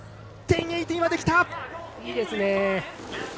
いいですね。